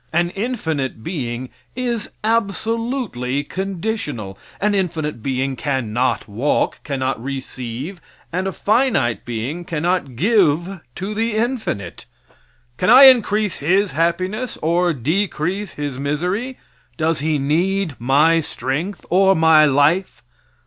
An infinite being is absolutely conditional. An infinite being can not walk, cannot receive, and a finite being cannot give to the infinite. Can I increase his happiness or decrease his misery? Does he need my strength or my life?